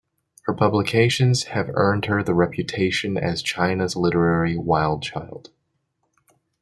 Her publications have earned her the reputation as China's literary wild child.